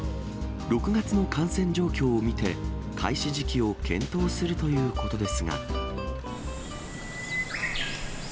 ６月の感染状況を見て、開始時期を検討するということですが。